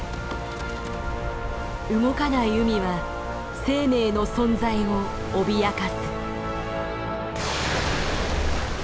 動かない海は生命の存在を脅かす。